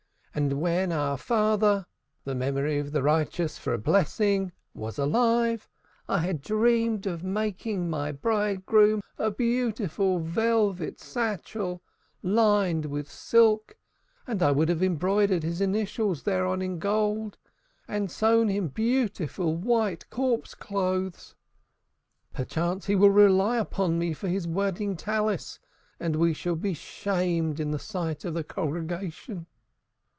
And when our father (the memory of the righteous for a blessing) was alive, I had dreamed of making my chosan a beautiful velvet satchel lined with silk, and I would have embroidered his initials thereon in gold, and sewn him beautiful white corpse clothes. Perchance he will rely upon me for his wedding Talith, and we shall be shamed in the sight of the congregation."